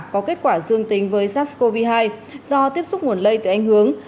có kết quả dương tính với sars cov hai do tiếp xúc nguồn lây từ anh hướng